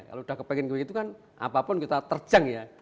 kalau sudah kepengen kegitu kan apapun kita terjang ya